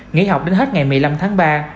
nghỉ học đến hết ngày một mươi năm tháng ba